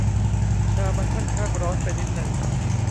ชามันค่อนข้างร้อนไปนิดนึง